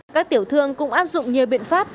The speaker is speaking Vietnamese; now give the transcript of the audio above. các tiểu thương cũng áp dụng nhiều biện pháp